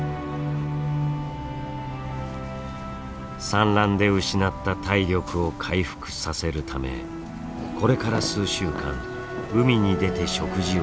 産卵で失った体力を回復させるためこれから数週間海に出て食事をします。